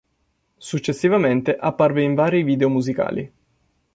Successivamente apparve in vari video musicali.